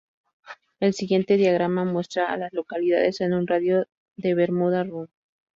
El siguiente diagrama muestra a las localidades en un radio de de Bermuda Run.